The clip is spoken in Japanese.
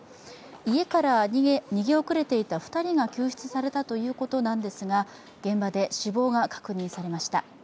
家から逃げ遅れていた２人が救出されたということなんですが現場で死亡が確認されました。